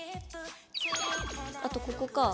あとここか。